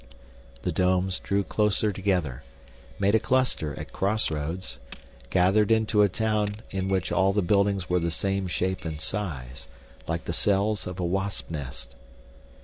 The domes drew closer together, made a cluster at crossroads, gathered into a town in which all the buildings were the same shape and size, like the cells of a wasp nest.